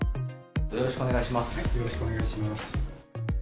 よろしくお願いします。